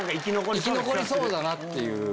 生き残りそうだなっていう。